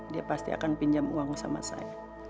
dia pasti akan pinjam uang sama saya